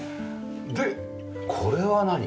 でこれは何？